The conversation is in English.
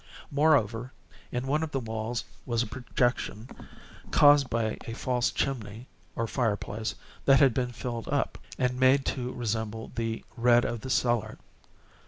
Moreover, in one of the walls was a projection, caused by a false chimney, or fireplace, that had been filled up, and made to resemble the red of the cellar.